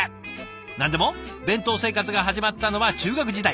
何でも弁当生活が始まったのは中学時代。